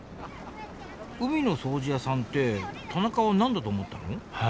海の掃除屋さんって田中は何だと思ったの？